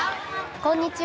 こんにちは。